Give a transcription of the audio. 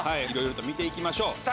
いろいろと見て行きましょう。